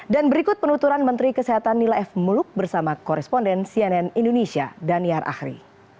berikut penuturan menteri kesehatan nila f muluk bersama koresponden cnn indonesia daniar ahri